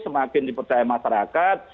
semakin dipercaya masyarakat